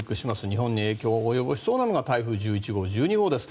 日本に影響がありそうなのが台風１１号、１２号です。